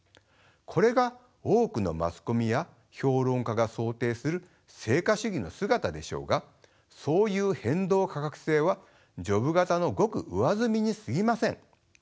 これが多くのマスコミや評論家が想定する成果主義の姿でしょうがそういう変動価格制はジョブ型のごく上澄みにすぎません。